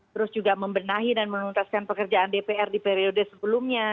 terus juga membenahi dan menuntaskan pekerjaan dpr di periode sebelumnya